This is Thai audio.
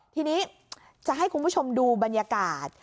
ทีนี้จะให้คุณผู้ชมดูบรรยากาศ